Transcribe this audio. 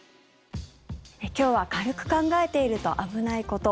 今日は軽く考えていると危ないこと。